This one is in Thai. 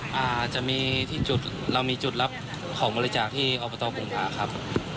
เชฟอาห์จะมีจุดเรามีจุดรับของบริจาคที่อบตบรุงหาครับ